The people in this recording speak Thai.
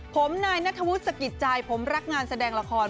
ผมนายนัทวุฒิสกิดใจผมรักงานแสดงละคร